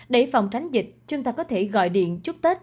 để phòng tránh dịch chúng ta có thể gọi điện chúc tết